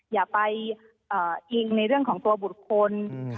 อย่าไปอิงในเรื่องของตัวบุคคล